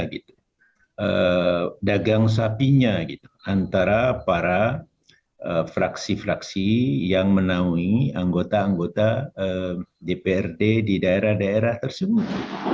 dagang sapinya gitu antara para fraksi fraksi yang menaungi anggota anggota dprd di daerah daerah tersebut